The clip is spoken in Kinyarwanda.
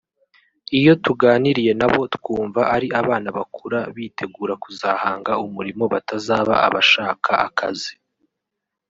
iyo tuganiriye nabo twumva ari abana bakura bitegura kuzahanga umurimo batazaba abashaka akazi